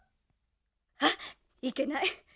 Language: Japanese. あっいけない！